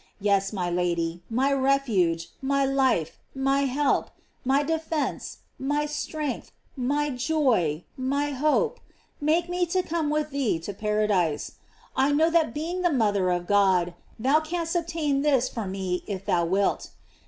Yes, my Lady, my refuge, my life, my help, my defence, my strength, my joy, my hope, make me to come with thee to paradise. I know that, being the mother of God, thou canst obtain this for me if thou wilt.